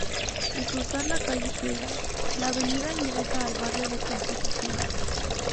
Al cruzar la calle Piedras, la Avenida ingresa al barrio de Constitución.